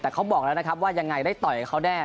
แต่เขาบอกแล้วนะครับว่ายังไงได้ต่อยกับเขาแน่